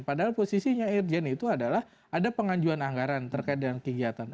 padahal posisinya irjen itu adalah ada pengajuan anggaran terkait dengan kegiatan